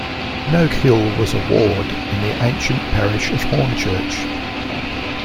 Noak Hill was a ward in the ancient parish of Hornchurch.